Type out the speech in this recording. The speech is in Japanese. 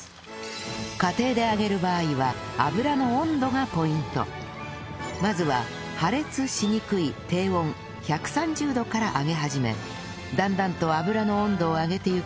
家庭で揚げる場合はまずは破裂しにくい低温１３０度から揚げ始めだんだんと油の温度を上げていき